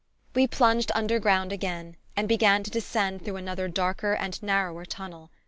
We plunged underground again and began to descend through another darker and narrower tunnel.